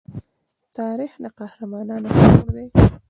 تاریخ د قهرمانانو کور دی.